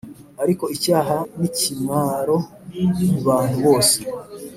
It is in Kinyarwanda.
ariko icyaha nikimwaro kubantu bose